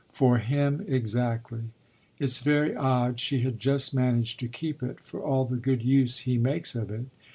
"For him exactly. It's very odd she had just managed to keep it for all the good use he makes of it!